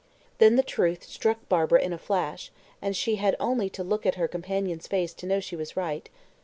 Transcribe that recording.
Then the truth struck Barbara in a flash, and she had only to look at her companion's face to know she was right.